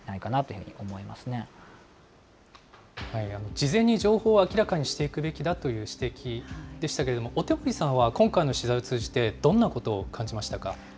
事前に情報を明らかにしていくべきだという指摘でしたけれども、小手森さんは今回の取材を通じて、どんなことを感じましたか。